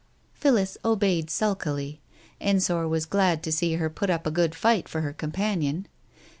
Phillis obeyed sulkily. Ensor was glad to see her put up a good fight for her companion.